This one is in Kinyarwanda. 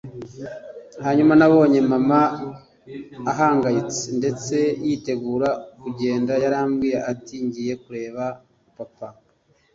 Hanyuma nabonye mama ahangayitse ndetse yitegura kugenda yarambwiye ati ngiye kureba papa